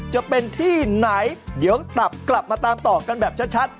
จะเป็นที่ไหนเดี๋ยวตับกลับมาตามต่อกันแบบชัด